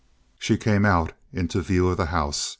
She came out into view of the house.